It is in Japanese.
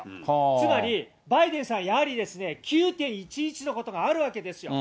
つまり、バイデンさん、やはりですね、９・１１のことがあるわけですよ。